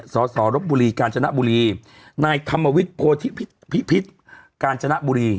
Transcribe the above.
สอบบุรีการจนบุรีนายคำวิทย์โพธิภิษฐ์การจนบุรี